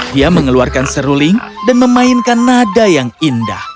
dia mengeluarkan seruling dan memainkan nada yang indah